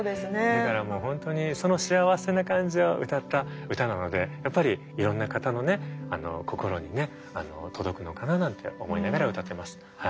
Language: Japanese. だからもう本当にその幸せな感じを歌った歌なのでやっぱりいろんな方のね心にね届くのかななんて思いながら歌ってます。